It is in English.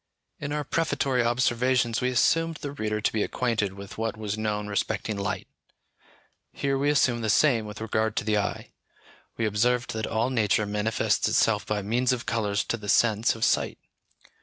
In our prefatory observations we assumed the reader to be acquainted with what was known respecting light; here we assume the same with regard to the eye. We observed that all nature manifests itself by means of colours to the sense of sight.